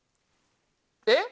えっ？